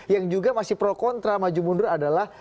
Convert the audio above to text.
yang juga masih pro kontra maju mundur adalah